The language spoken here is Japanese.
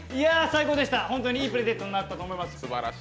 最高でした、いいプレゼントになったと思います。